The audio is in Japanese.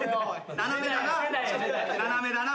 斜めだな。